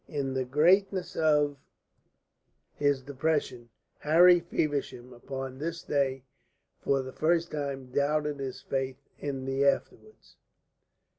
In the greatness of his depression Harry Feversham upon this day for the first time doubted his faith in the "afterwards."